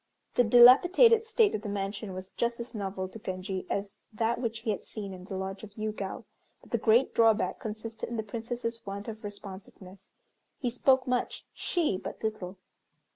The dilapidated state of the mansion was just as novel to Genji as that which he had seen in the lodge of Yûgao, but the great drawback consisted in the Princess's want of responsiveness. He spoke much, she but little.